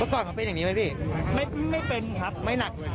พอก่อนเขาเป็นอย่างนี้ไหมพี่ไม่เป็นครับ